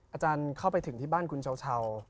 อาจารย์เข้าไปถึงที่บ้านคุณเช้า